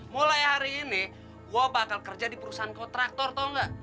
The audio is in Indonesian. mulai hari ini gue bakal kerja di perusahaan kau traktor tau gak